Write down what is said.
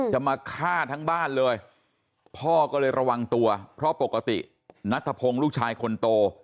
จะมาฆ่าทั้งบ้านเลยพ่อก็เลยระวังตัวเพราะปกตินัทพงศ์ลูกชายคนโต